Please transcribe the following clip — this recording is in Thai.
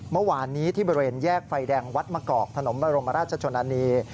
เมื่อวานนี้ที่บริเวณแยกไฟแดงวัดมะกอกถนนบรมราชชนนานี